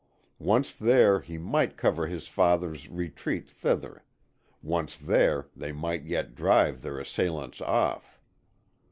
Once there he might cover his father's retreat thither. Once there, they might yet drive their assailants off.